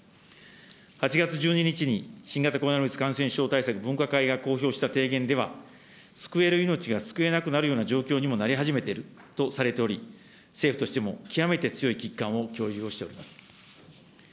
８月１２日に新型コロナウイルス感染症対策分科会が公表した提言では、救える命が救えなくなるような状況にもなり始めているとされており、政府としても極めて強い危機感を共有をしております。